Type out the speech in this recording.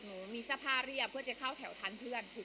หนูมีหนูเสภาเรี่ยบเพื่อจะเข้าแถวทางเพื่อนทุกวัน